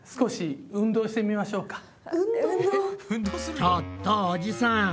ちょっとおじさん！